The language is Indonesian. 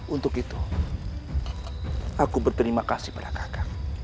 untuk itu aku berterima kasih pada kakak